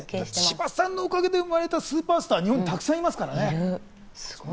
千葉さんのおかげで生まれたスーパースターが日本にたくさんいますからね。